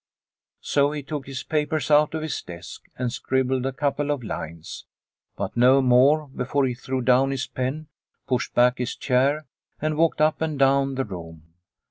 So he took his papers out of his desk and scribbled a couple of lines, but no more, before 2 36 Liliecrona's Home he threw down his pen, pushed back his chair, and walked up and down the room.